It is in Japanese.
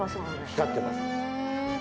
光ってます。